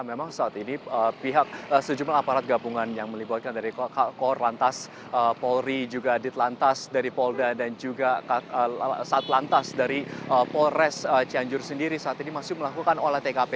memang saat ini pihak sejumlah aparat gabungan yang melibatkan dari kkk lantas polri juga dit lantas dari polda dan juga sat lantas dari polres cianjur sendiri saat ini masih melakukan oleh tkp